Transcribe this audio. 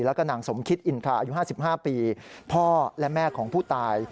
แล้วก็นางสมคิตอินทาอายุ๕๕ปีพ่อและแม่ของผู้ตาย